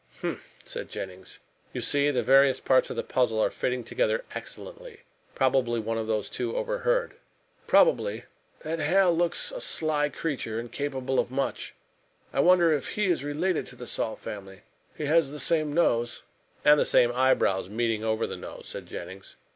"Humph!" said Jennings, "you see the various parts of the puzzle are fitting together excellently. Probably one of those two overheard." "Probably. That Hale looks a sly creature and capable of much. I wonder if he is related to the Saul family. He has the same nose." "And the same eyebrows meeting over the nose," said Jennings.